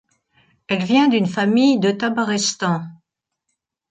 Elle vient d'une famille de Tabarestan.